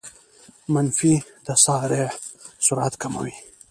منفي تسارع سرعت کموي.